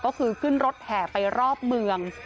ก็คือขึ้นรถแห่ไปรอบเมือง